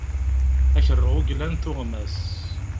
Ad k-rreɣ uglan tuɣmas.